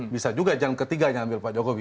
bisa juga yang ketiganya ambil pak jokowi